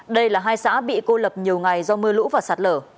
đây là hai xã bị cô lập nhiều ngày do mưa lũ và sạt lở